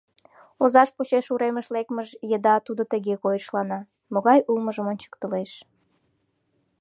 Озаж почеш уремыш лекмыж еда тудо тыге койышлана, могай улмыжым ончыктылеш.